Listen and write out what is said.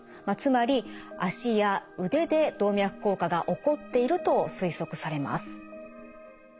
まあつまり脚や腕で動脈硬化が起こっていると推測されます。